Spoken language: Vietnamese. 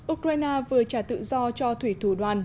ukraine vừa trả tự do cho thủy thủ đoàn